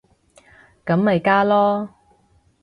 咁咪加囉